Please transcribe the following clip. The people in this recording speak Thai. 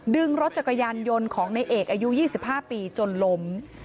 ดึงรถจักรยานยนต์ของในเอกอายุ๒๕ปีจนล้ม